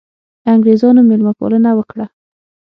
انګرېزانو مېلمه پالنه وکړه.